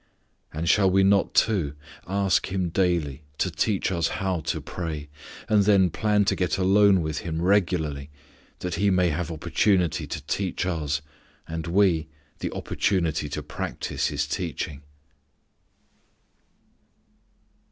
And shall we not, too, ask Him daily to teach us how to pray, and then plan to get alone with Him regularly that He may have opportunity to teach us, and we the opportunity to practice His teaching?